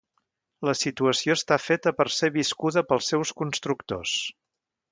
La situació està feta per ser viscuda pels seus constructors.